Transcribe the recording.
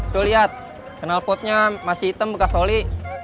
tuh liat kenal potnya masih hitam bekas oli